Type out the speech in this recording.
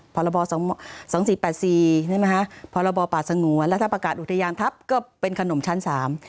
ภาระบอ๒๔๘๔ภาระบอปรสงวนแล้วถ้าประกาศอุทยางทัพก็เป็นขนมชั้นสาม